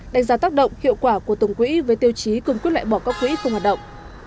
đánh giá tác động hiệu quả của tổng quỹ với tiêu chí cường quyết loại bỏ các quỹ không hoạt động